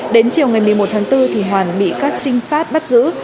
đến chiều ngày một mươi một tháng bốn thì hoàn bị các trinh sát bắt giữ